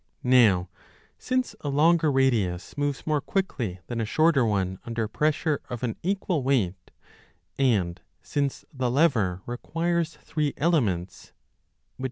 Now since a longer radius moves more quickly than a shorter one under pressure of an equal weight ; and since the lever requires three elements, viz.